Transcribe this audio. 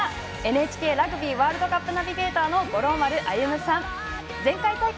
ＮＨＫラグビーワールドカップナビゲーターの五郎丸歩さん前回大会